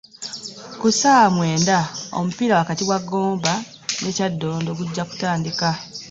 Ku ssaawa mwenda, omupiira wakati wa Gomba ne Kyaddondo gujja kutandika